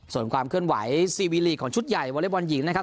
ส่วนความเคลื่อนไหวซีวีลีกของชุดใหญ่วอเล็กบอลหญิงนะครับ